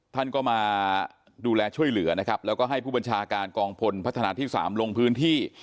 ท่านก็มาดูแลช่วยเหลือนะครับแล้วก็ให้ผู้บัญชาการกองพลพัฒนาที่๓ลงพื้นที่